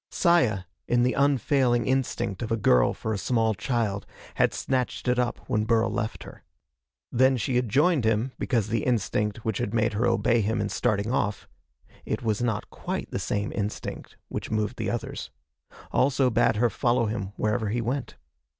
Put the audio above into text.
Saya, in the unfailing instinct of a girl for a small child, had snatched it up when Burl left her. Then she had joined him because the instinct which had made her obey him in starting off it was not quite the same instinct which moved the others also bade her follow him wherever he went.